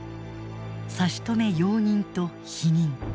差し止め容認と否認。